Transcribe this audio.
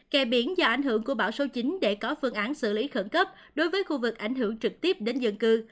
kè biển do ảnh hưởng của bão số chín để có phương án xử lý khẩn cấp đối với khu vực ảnh hưởng trực tiếp đến dân cư